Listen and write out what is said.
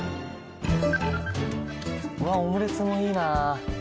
うわっオムレツもいいな。